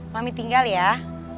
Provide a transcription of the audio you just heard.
mami tau gak ada hal yang aneh aneh